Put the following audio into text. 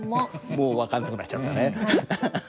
もう分かんなくなっちゃったね。